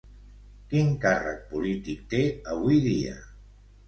Quin càrrec polític té avui dia?